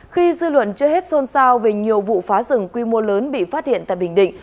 khi dư luận chưa hết xôn xao về nhiều vụ phá rừng quy mô lớn bị phát hiện tại bình định